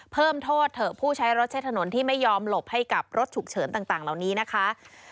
เพิ่มโทษเถอะผู้ใช้รถใช้ถนนที่ไม่ยอมหลบให้กับรถฉุกเฉินต่างเหล่านี้นะคะ